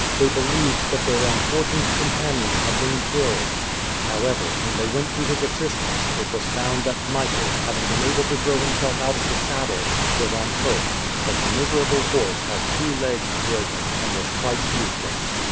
They believed that their unfortunate companion had been killed. However, when they went to his assistance, it was found that Michael, having been able to throw himself out of the saddle, was unhurt, but the miserable horse had two legs broken, and was quite useless.